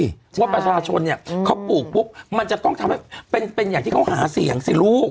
เพราะว่าประชาชนเนี่ยเขาปลูกปุ๊บมันจะต้องทำให้เป็นอย่างที่เขาหาเสียงสิลูก